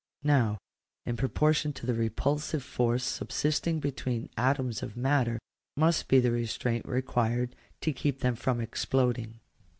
Now, in proportion to the repulsive force subsisting between atoms of matter, must be the restraint required to keep them from exploding.